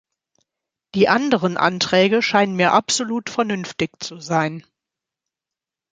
Die anderen Anträge scheinen mir absolut vernünftig zu sein.